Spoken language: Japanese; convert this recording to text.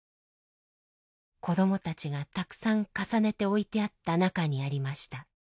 子どもたちがたくさん重ねて置いてあった中にありました。